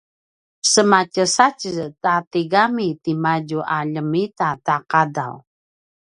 sematjesatjez ta tigami timadju a ljemitaqadaw